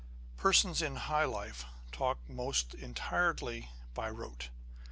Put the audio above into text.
Persons in high life talk almost entirely by rote.